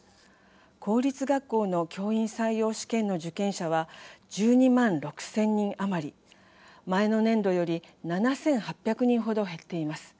公立学校の教員採用試験の受験者は１２万６０００人余り前の年度より７８００人程減っています。